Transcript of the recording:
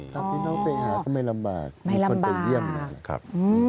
ถ้าพี่น้องไปหาก็ไม่ลำบากมีคนไปเยี่ยมนะครับ